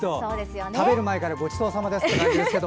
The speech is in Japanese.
食べる前からごちそうさまですという感じですが。